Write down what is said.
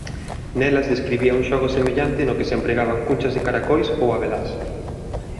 Nelas describía un xogo semellante no que se empregaban cunchas de caracois ou abelás.